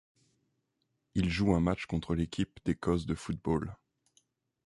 Il joue un match contre l'équipe d'Écosse de football.